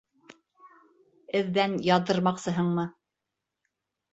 Эҙҙән яҙҙырмаҡсыһыңмы?